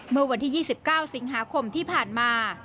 เมื่อวันที่๒๙สิงหาคมที่ผ่านมา